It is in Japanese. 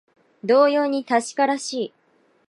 同様に確からしい